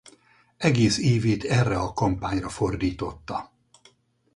Egész évét erre a kampányra fordította.